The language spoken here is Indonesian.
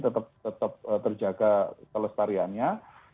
tetap terjaga pelestariannya